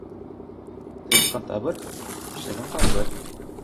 Тырышҡан табыр, эшләгән ҡабыр.